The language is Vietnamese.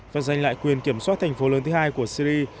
và giành lại quyền kiểm soát thành phố lớn thứ hai của syri